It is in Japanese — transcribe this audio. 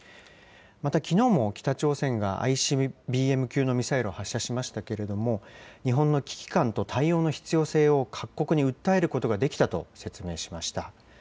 またきのうも、北朝鮮がＩＣＢＭ級のミサイルを発射しましたけれども、日本の危機感と対応の必要性を各国に訴えることができたと説明しました。